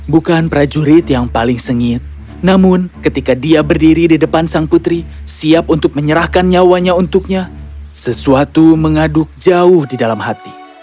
bukan prajurit yang paling sengit namun ketika dia berdiri di depan sang putri siap untuk menyerahkan nyawanya untuknya sesuatu mengaduk jauh di dalam hati